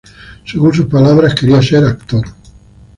Según sus palabras, quería ser actor.